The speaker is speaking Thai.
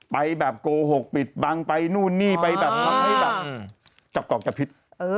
ไปแบบโกหกปิดบังไปนู่นนี่ไปแบบทำให้แบบจับกรอกจับพิษ